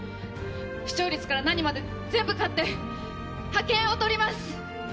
視聴率から何まで全部勝って、派遣をとります！